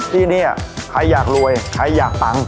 ที่นี่ใครอยากรวยใครอยากปัง